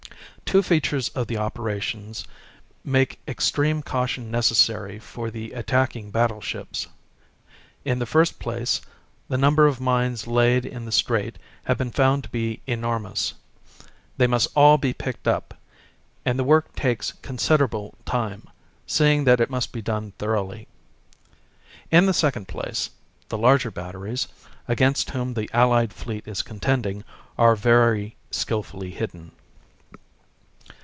Two features of the operations make extreme caution necessary for the attacking battleships. In the first place, the number of mines laid in the strait has been found to be enormous. They must all be picked up, and the work takes considerable time, seeing that it must be done thoroughly. In the second place, the larger batteries, against whom the allied fleet is contending, are very skillfully hidden.